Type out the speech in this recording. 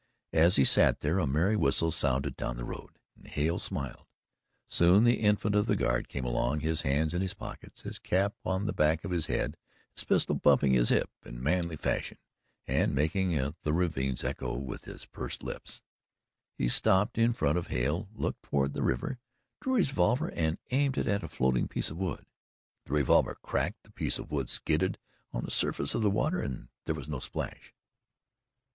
As he sat there, a merry whistle sounded down the road, and Hale smiled. Soon the Infant of the Guard came along, his hands in his pockets, his cap on the back of his head, his pistol bumping his hip in manly fashion and making the ravines echo with his pursed lips. He stopped in front of Hale, looked toward the river, drew his revolver and aimed it at a floating piece of wood. The revolver cracked, the piece of wood skidded on the surface of the water and there was no splash.